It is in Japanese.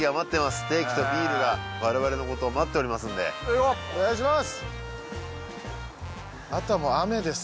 ステーキとビールが我々のことを待っておりますんで行こうお願いします